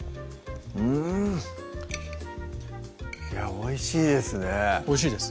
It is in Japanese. おいしいですねおいしいです